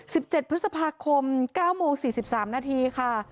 สิบเจ็ดพฤษภาคมเก้าโมงสี่สิบสามนาทีค่ะ